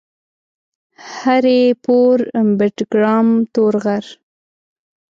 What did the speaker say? هري پور ، بټګرام ، تورغر